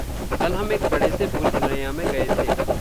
कल हम एक बड़े से भूलभुलैया में गए थे।